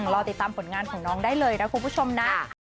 รอติดตามผลงานของน้องได้เลยนะคุณผู้ชมนะ